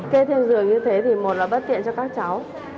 kê thêm giường như thế thì một là bất tiện cho các cháu